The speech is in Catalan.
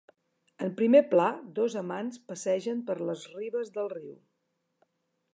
En primer pla, dos amants passegen per les ribes del riu.